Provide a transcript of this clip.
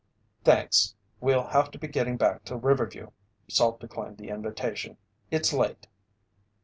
"Thanks, we'll have to be getting back to Riverview," Salt declined the invitation. "It's late."